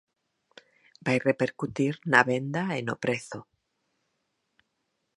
Vai repercutir na venda e no prezo.